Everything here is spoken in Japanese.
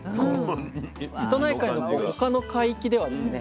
瀬戸内海の他の海域ではですね